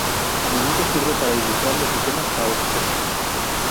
A menudo sirve para ilustrar los sistemas caóticos.